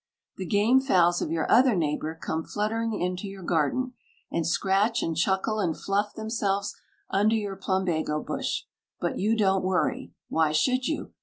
The game fowls of your other neighbour come fluttering into your garden, and scratch and chuckle and fluff themselves under your plumbago bush; but you don't worry. Why should you?